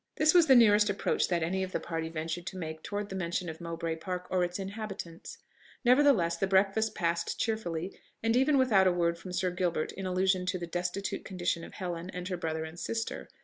This was the nearest approach that any of the party ventured to make towards the mention of Mowbray Park or its inhabitants. Nevertheless, the breakfast passed cheerfully, and even without a word from Sir Gilbert in allusion to the destitute condition of Helen, and her brother and sister.